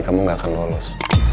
kamu gak akan lolos